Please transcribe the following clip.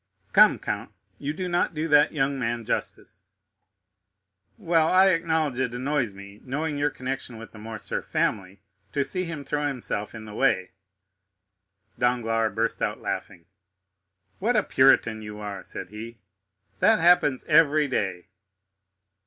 "Come, count, you do not do that young man justice." "Well, I acknowledge it annoys me, knowing your connection with the Morcerf family, to see him throw himself in the way." Danglars burst out laughing. "What a Puritan you are!" said he; "that happens every day."